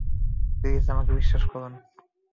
Please আমাকে বিশ্বাস করুন।